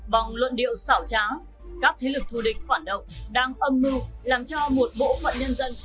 bằng luận điệu xảo trá các thế lực thù địch phản động đang âm mưu làm cho một bộ phận nhân dân